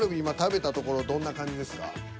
今食べたところどんな感じですか？